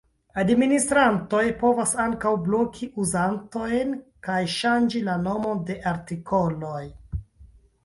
Administrantoj povas ankaŭ bloki uzantojn kaj ŝanĝi la nomon de artikoloj.